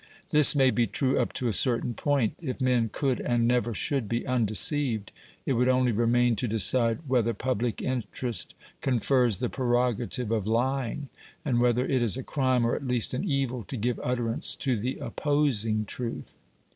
This may be true up to a certain point. If men could and never should be undeceived, it would only remain to decide whether public interest confers the prerogative of lying, and whether it is a crime, or at least an evil, to give utterance to the opposing truth.